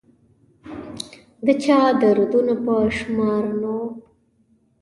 د چا دردونه په شمار نه وه